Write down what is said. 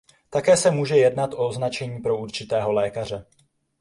Také se může jednat o označení pro určitého lékaře.